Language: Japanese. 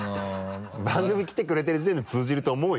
番組に来てくれてる時点で通じると思うよ？